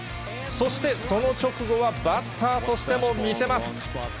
そして、その直後はバッターとしても見せます。